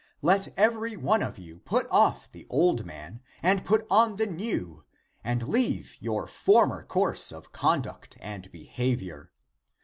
Let every one of you put off the old man and put on the new,^ and leave your former course of conduct and behavior.